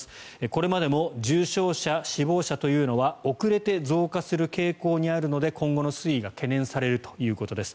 これまでも重症者、死亡者というのは遅れて増加する傾向にあるので今後の推移が懸念されるということです。